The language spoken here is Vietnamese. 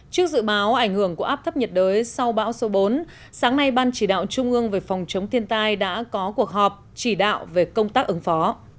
trước dự báo ảnh hưởng của áp thấp nhiệt đới sau bão số bốn sáng nay ban chỉ đạo trung ương về phòng chống thiên tai đã có cuộc họp chỉ đạo về công tác ứng phó